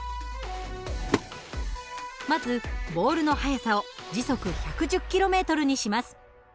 まずボールの速さを時速１１０ｋｍにします。